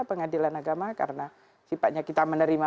pengadilan agama karena sifatnya kita menerima